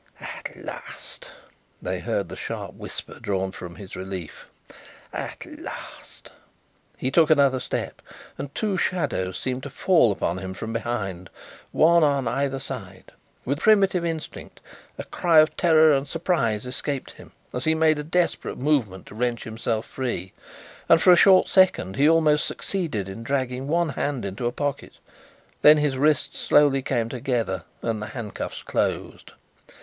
"At last!" they heard the sharp whisper drawn from his relief. "At last!" He took another step and two shadows seemed to fall upon him from behind, one on either side. With primitive instinct a cry of terror and surprise escaped him as he made a desperate movement to wrench himself free, and for a short second he almost succeeded in dragging one hand into a pocket. Then his wrists slowly came together and the handcuffs closed.